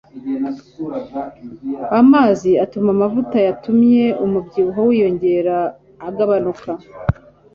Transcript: Amazi atuma mavuta yatumye umubyibuho wiyongera agabanuka